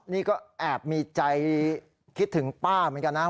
นี่ก็แอบมีใจคิดถึงป้าเหมือนกันนะ